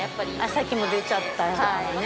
さっき出ちゃったからね。